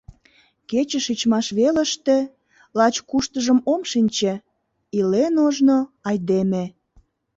Кече шичмаш велыште Лач куштыжым ом шинче Илен ожно айдеме.